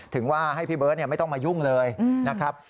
ถึงว่าให้พี่เบิร์ตไม่ต้องมายุ่งเลยนะครับ